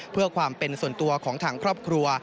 เพื่อความเป็นส่วนตัวของทางครอบครัว